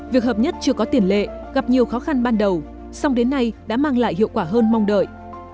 việc hợp nhất chưa có tiền lệ gặp nhiều khó khăn ban đầu song đến nay đã mang lại hiệu quả hơn mong đợi